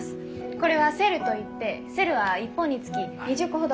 これはセルといってセルは一本につき２０個ほど。